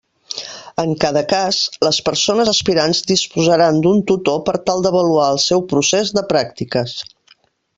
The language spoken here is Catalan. En cada cas, les persones aspirants disposaran d'un tutor per tal d'avaluar el seu procés de pràctiques.